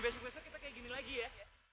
besok besok kita kayak gini lagi ya